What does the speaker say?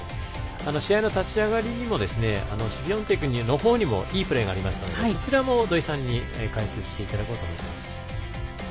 試合の立ち上がりにもシフィオンテクの方にもいいプレーがありましたのでそちらも土居さんに解説していただこうと思います。